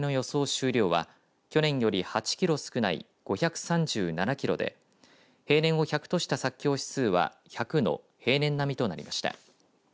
収量は去年より８キロ少ない５３７キロで平年を１００とした作況指数は１００の平年並みとなりました。